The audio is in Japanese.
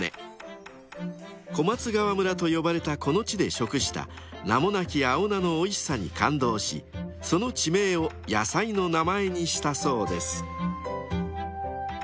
［小松川村と呼ばれたこの地で食した名もなき青菜のおいしさに感動しその地名を野菜の名前にしたそうです］